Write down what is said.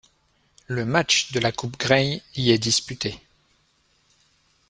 Le match de la coupe Grey y est disputé.